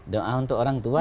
doa untuk orang tua